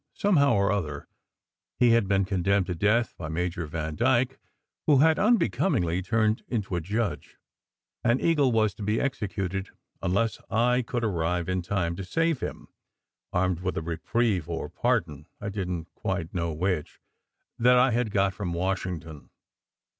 Somehow or other, he had been condemned to death by Major Vandyke (who had unbecomingly turned into a judge) and Eagle was to be executed unless I could arrive in time to save him, armed with a reprieve or pardon I didn t quite know which that I had got from Washington.